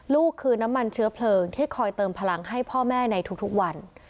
ลูกคือน้ำมันเชื้อเพลิงที่คอยเติมพลังให้พ่อแม่ในทุกวัน